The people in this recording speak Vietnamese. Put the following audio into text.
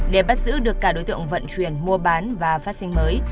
để bắt giữ được cả đối tượng vận chuyển mua bán và phát sinh mới